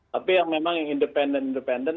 tapi yang memang yang independen independen